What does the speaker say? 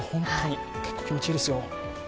結構、気持ちいいですよ。